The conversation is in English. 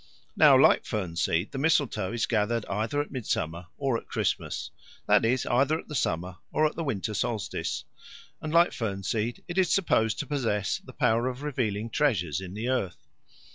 Now, like fern seed, the mistletoe is gathered either at Midsummer or at Christmas that is, either at the summer or at the winter solstice and, like fern seed, it is supposed to possess the power of revealing treasures in the earth.